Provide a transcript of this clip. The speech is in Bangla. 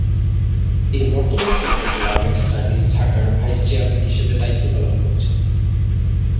তিনি বর্তমানে সেন্টার ফর আরবান স্টাডিজ, ঢাকার ভাইস চেয়ারম্যান হিসাবে দায়িত্ব পালন করছেন।